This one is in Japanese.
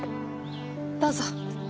どうぞ。